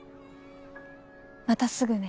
またすぐね。